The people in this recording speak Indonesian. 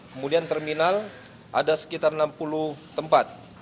kemudian terminal ada sekitar enam puluh tempat